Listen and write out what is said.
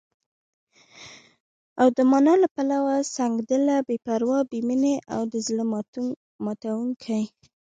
او د مانا له پلوه، سنګدله، بې پروا، بې مينې او د زړه ماتوونکې